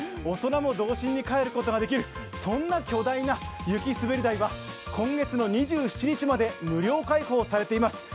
大人も童心に帰ることができる、そんな、巨大な雪滑り台は今月の２７日まで無料開放されています。